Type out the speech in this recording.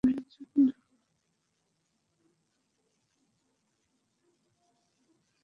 আমি এরকম শান্ত শিষ্ট একটা মেয়ের যোগ্য না।